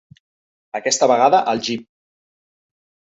Aquesta vegada al jeep.